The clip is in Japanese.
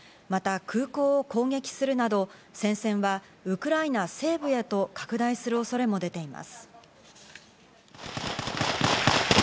また、空港を攻撃するなど戦線はウクライナ西部へと拡大する恐れも出ています。